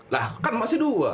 lah kan emasnya dua